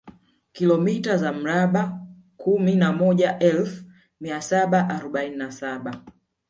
Kilomita za mraba kumi na moja elfu mia saba arobaini na saba